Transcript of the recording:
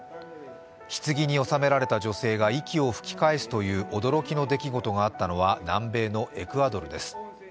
ひつぎに納められた女性が息を吹き返すという驚きの出来事があったのは南米のエクアドルです。